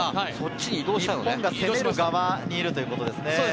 日本が攻める側にいるっていうことですね。